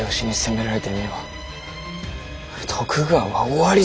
徳川は終わりぞ！